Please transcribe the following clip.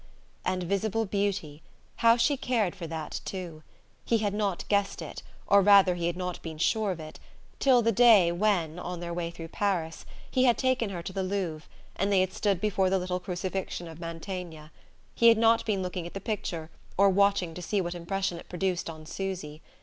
And visible beauty how she cared for that too! He had not guessed it, or rather he had not been sure of it, till the day when, on their way through Paris, he had taken her to the Louvre, and they had stood before the little Crucifixion of Mantegna. He had not been looking at the picture, or watching to see what impression it produced on Susy.